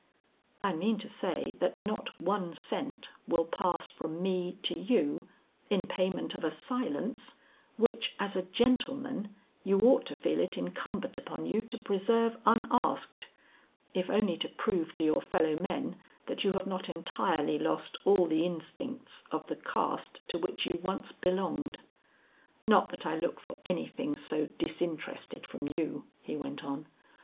"I mean to say that not one cent will pass from me to you in payment of a silence, which as a gentleman, you ought to feel it incumbent upon you to preserve unasked, if only to prove to your fellow men that you have not entirely lost all the instincts of the caste to which you once belonged. Not that I look for anything so disinterested from you," he went on.